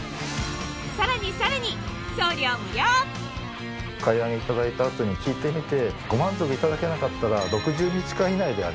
さらにさらにお買い上げいただいた後に聞いてみて。